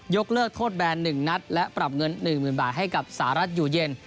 เลิกโทษแบน๑นัดและปรับเงิน๑๐๐๐บาทให้กับสหรัฐอยู่เย็น